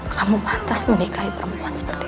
kamu pantas menikahi perempuan seperti itu